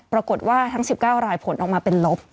ปรากฏว่าทั้ง๑๙รายผลออกมาเป็นลบ